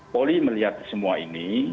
poli melihat semua ini